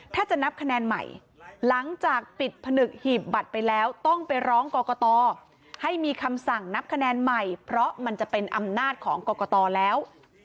ถ้าจะนับคะแนนใหม่หลังจากปิดผนึกหีบบัตรไปแล้วต้องไปร้องกรกตให้มีคำสั่งนับคะแนนใหม่เพราะมันจะเป็นอำนาจของกรกตแล้ว